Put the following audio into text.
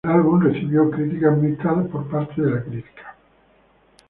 El álbum recibió críticas mixtas de críticos de música.